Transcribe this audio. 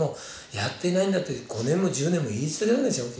やっていないんだって５年も１０年も言い続けられないですよ